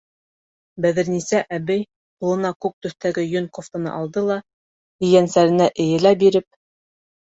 Бәҙерниса әбей ҡулына күк төҫтәге йөн кофтаны алды ла, ейәнсәренә эйелә биреп: